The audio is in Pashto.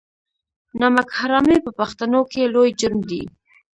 نمک حرامي په پښتنو کې لوی جرم دی.